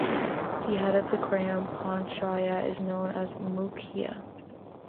The head of the Gram Panchayat is known as Mukhiya.